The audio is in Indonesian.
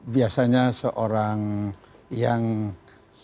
biasanya seorang yang sudah